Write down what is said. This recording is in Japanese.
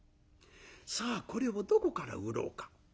さあこれをどこから売ろうか。